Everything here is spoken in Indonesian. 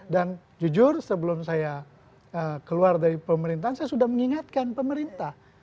dan jujur sebelum saya keluar dari pemerintahan saya sudah mengingatkan pemerintah